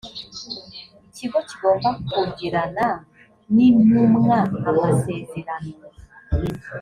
ikigo kigomba kugirana n intumwa amasezerano